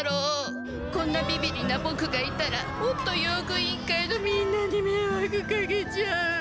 こんなビビリなボクがいたらもっと用具委員会のみんなにめいわくかけちゃう。